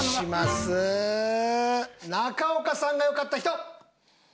中岡さんが良かった人！